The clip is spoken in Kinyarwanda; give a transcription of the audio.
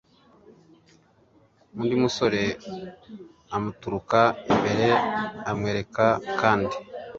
undi musore amuturuka imbere amwereka kadi